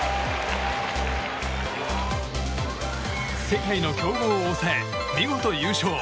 世界の強豪を抑え見事、優勝。